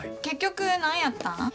結局何やったん？